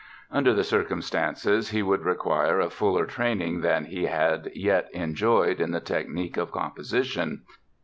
Under the circumstances he would require a fuller training than he had yet enjoyed in the technic of composition.